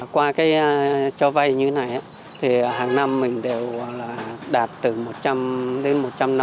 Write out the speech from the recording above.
qua cái cho vay như này thì hàng năm mình đều là đạt từ một trăm linh đến một trăm năm mươi